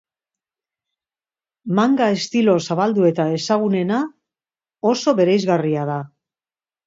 Manga estilo zabaldu eta ezagunena oso bereizgarria da.